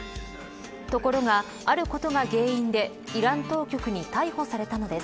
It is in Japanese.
ところがあることが原因でイラン当局に逮捕されたのです。